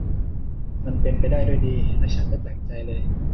มันเป็นไปได้ด้วยดี และฉันไม่แปลกใจเลย